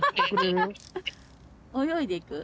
泳いでいく？